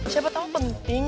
siapa tahu penting